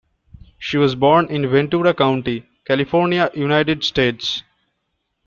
She was born in Ventura County, California, United States.